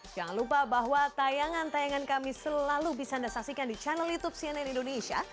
jangan lupa bahwa tayangan tayangan kami selalu bisa anda saksikan di channel youtube cnn indonesia